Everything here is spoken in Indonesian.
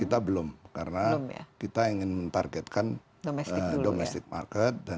kita belum karena kita ingin menargetkan domestic market